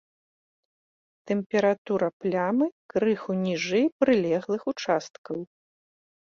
Тэмпература плямы крыху ніжэй прылеглых участкаў.